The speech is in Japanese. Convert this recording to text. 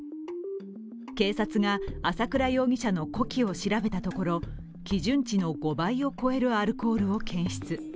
警察が朝倉容疑者の呼気を調べたところ、基準値の５倍を超えるアルコールを検出。